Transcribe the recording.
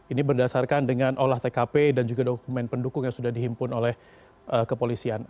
ini berdasarkan dengan olah tkp dan juga dokumen pendukung yang sudah dihimpun oleh kepolisian